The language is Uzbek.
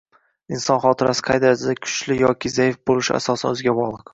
Inson xotirasi qay darajada kuchli yoki zaif bo‘lishi asosan o‘ziga bog‘liq.